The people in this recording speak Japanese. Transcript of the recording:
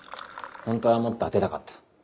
本当はもっと当てたかった。